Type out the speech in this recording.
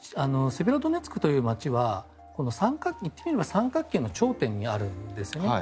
セベロドネツクという街は言ってみれば三角形の頂点にあるんですね。